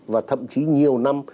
và thậm chí nhiều năm